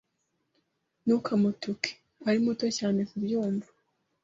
Ntukamutuke. Ari muto cyane kubyumva.